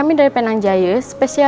tidak ada yang bawa